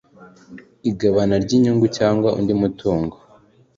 Igabana ry inyungu cyangwa undi mutungo